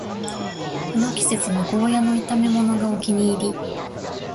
この季節はゴーヤの炒めものがお気に入り